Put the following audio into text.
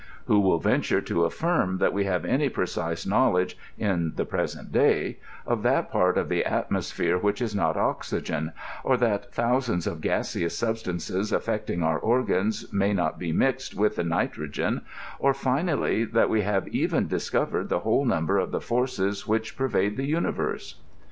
Who will venture to affirm that we have any precise knowledge, in the present day, of that part of the atmosphere which is not oxygen, or that thousands of gaseous substances afiecting our organs may not be mixed with the nitrogen, or, finally, that we have even discovered the whole number of the forces which pervade the universe